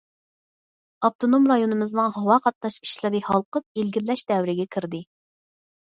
ئاپتونوم رايونىمىزنىڭ ھاۋا قاتناش ئىشلىرى ھالقىپ ئىلگىرىلەش دەۋرىگە كىردى.